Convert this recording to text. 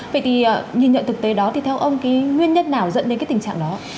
vậy thì nhìn nhận thực tế đó thì theo ông nguyên nhất nào dẫn đến tình trạng đó